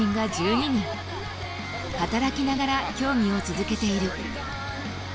働きながら競技を続けている。